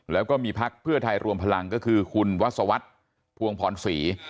แล้วก็มีพักเพื่อไทยรวมพลังก็คือคุณวัศวรรษภวงพรศรี